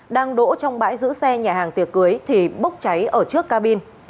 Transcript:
đang đỗ trong bãi giữ xe nhà hàng tiệc cưới thì bốc cháy ở trước cabin